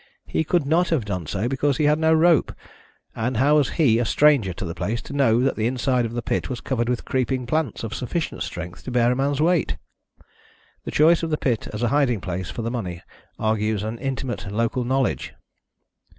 He could not have done so because he had no rope, and how was he, a stranger to the place, to know that the inside of the pit was covered with creeping plants of sufficient strength to bear a man's weight? The choice of the pit as a hiding place for the money argues an intimate local knowledge."